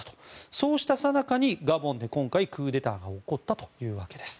そうしたさなかにガボンで今回クーデターが起こったということです。